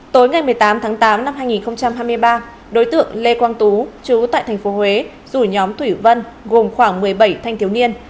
tối ngày một mươi tám tháng tám năm hai nghìn hai mươi ba đối tượng lê quang tú chú tại tp huế rủ nhóm thủy vân gồm khoảng một mươi bảy thanh thiếu niên